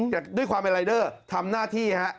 แต่ด้วยความเป็นรายเดอร์ทำหน้าที่ฮะ